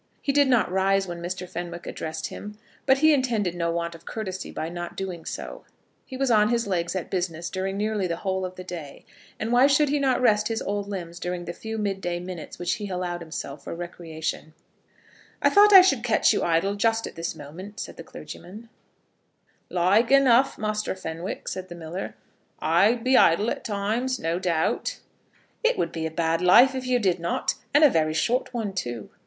He did not rise when Mr. Fenwick addressed him; but he intended no want of courtesy by not doing so. He was on his legs at business during nearly the whole of the day, and why should he not rest his old limbs during the few mid day minutes which he allowed himself for recreation? "I thought I should catch you idle just at this moment," said the clergyman. [Illustration: "I thought I should catch you idle just at this moment," said the clergyman.] "Like enough, Muster Fenwick," said the miller; "I be idle at times, no doubt." "It would be a bad life if you did not, and a very short one too.